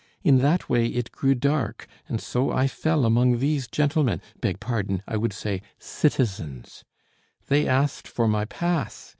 In that way it grew dark, and so I fell among these gentlemen beg pardon, I would say citizens. They asked for my pass.